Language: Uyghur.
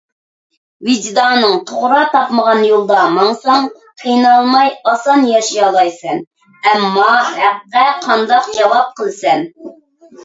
ۋىجدانىڭ توغرا تاپمىغان يولدا ماڭساڭ قىينالماي ئاسان ياشىيالايسەن. ئەمما ھەققە قانداق جاۋاب قىلىسەن؟